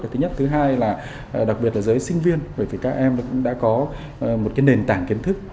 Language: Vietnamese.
thứ nhất thứ hai là đặc biệt là giới sinh viên bởi vì các em đã có một nền tảng kiến thức